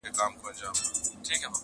لاره ورکه سوه له سپي او له څښتنه-